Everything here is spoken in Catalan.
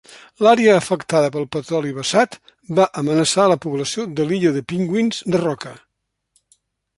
L'àrea afectada pel petroli vessat va amenaçar la població de l'illa de pingüins de roca.